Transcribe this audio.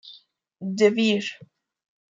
De Vir.